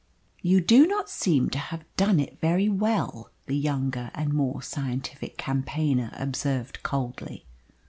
"You do not seem to have done it very well," the younger and more scientific campaigner observed coldly.